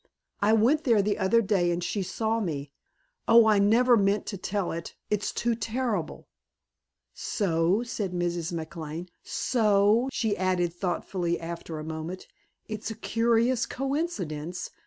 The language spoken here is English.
I went there the other day and she saw me and oh, I never meant to tell it it's too terrible!" "So," said Mrs. McLane. "So," She added thoughtfully after a moment. "It's a curious coincidence.